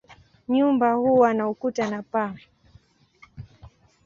Nyumba huwa na ukuta na paa.